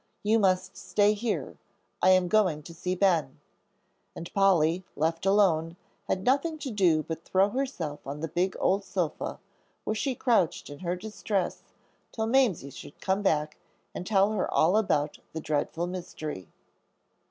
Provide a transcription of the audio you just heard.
You must stay here. I am going to see Ben." And Polly, left alone, had nothing to do but throw herself on the big, old sofa, where she crouched in her distress till Mamsie should come back and tell her all about the dreadful mystery.